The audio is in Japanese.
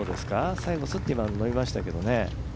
最後にすっと伸びましたけど。